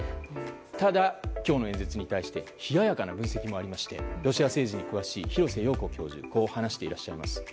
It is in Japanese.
ただ、今日の演説に対して冷ややかな声もありましてロシア政治に詳しい廣瀬陽子教授はこう話していらっしゃいます。